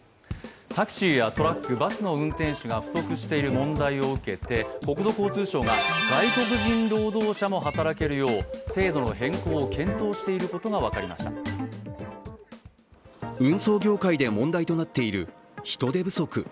タクシーやトラック、バスの運転手が不足している問題を受けて、国土交通省が外国人労働者も働けるよう制度の変更を検討していることが分かりました運送業界で問題となっている人手不足。